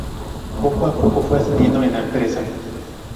Poco a poco fue ascendiendo en la empresa.